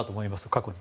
過去に。